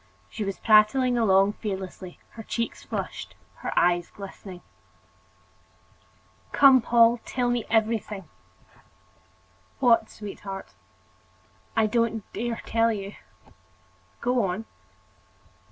She was prattling along fearlessly, her cheeks flushed, her eyes glistening. "Come, Paul; tell me everything." "What, sweetheart?" "I don't dare tell you." "Go on!"